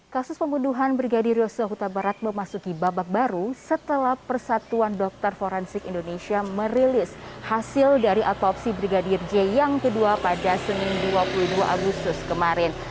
kasus pembunuhan brigadir yosua huta barat memasuki babak baru setelah persatuan dokter forensik indonesia merilis hasil dari otopsi brigadir j yang kedua pada senin dua puluh dua agustus kemarin